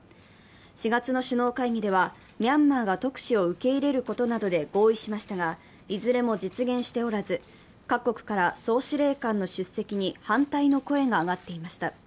４月の首脳会議ではミャンマーが特使を受け入れることなどで合意しましたがいずれも実現しておらず、各国から総司令官の出席に反対の声が上がっていました。